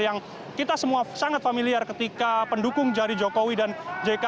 yang kita semua sangat familiar ketika pendukung jari jokowi dan jk